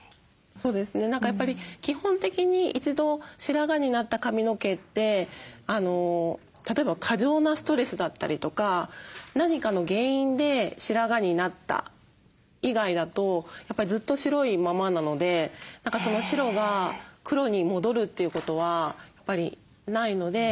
そうですね何かやっぱり基本的に一度白髪になった髪の毛って例えば過剰なストレスだったりとか何かの原因で白髪になった以外だとやっぱずっと白いままなので何かその白が黒に戻るということはやっぱりないので。